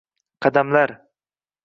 Qadamlar